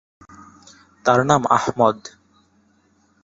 তাঁর নাম আহমদ।